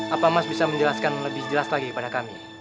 apa mas bisa menjelaskan lebih jelas lagi kepada kami